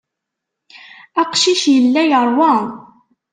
Aqcic yella yeṛwa.